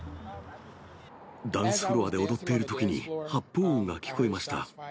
ダンスフロアで踊っているときに発砲音が聞こえました。